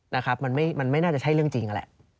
นะครับมันไม่น่าจะใช่เรื่องจริงนั่นแหละ